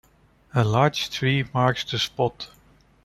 A large tree marks the spot.